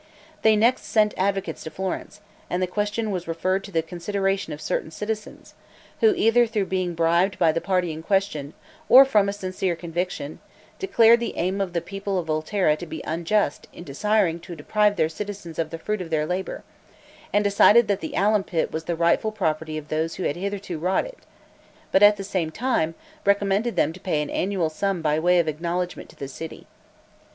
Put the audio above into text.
They next sent advocates to Florence, and the question was referred to the consideration of certain citizens, who, either through being bribed by the party in possession, or from a sincere conviction, declared the aim of the people of Volterra to be unjust in desiring to deprive their citizens of the fruit of their labor; and decided that the alum pit was the rightful property of those who had hitherto wrought it; but, at the same time, recommended them to pay an annual sum by way of acknowledgment to the city.